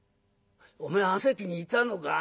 「おめえあの席にいたのか？